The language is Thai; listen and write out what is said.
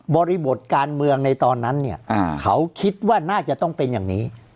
บริบทการเมืองในตอนนั้นเนี่ยเขาคิดว่าน่าจะต้องเป็นอย่างนี้